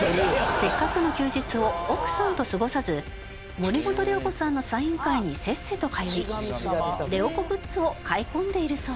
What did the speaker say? せっかくの休日を奥さんと過ごさず森本レオ子さんのサイン会にせっせと通いレオ子グッズを買い込んでいるそう。